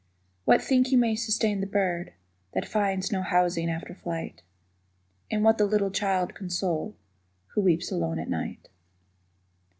What think you may sustain the bird That finds no housing after flight? And what the little child console Who weeps alone at night?